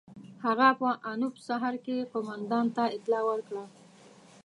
هغه په انوپ سهر کې قوماندان ته اطلاع ورکړه.